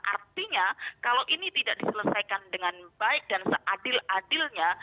artinya kalau ini tidak diselesaikan dengan baik dan seadil adilnya